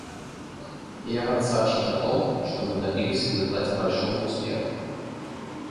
Я рад сообщить о том, что мы добились в результате большого успеха.